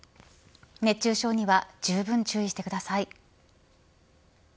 熱中症にはじゅうぶん注意してください。